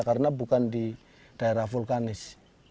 karena bukan di daerah vulkanis